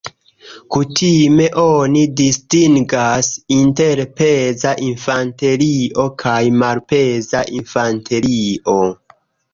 Kutime oni distingas inter peza infanterio kaj malpeza infanterio.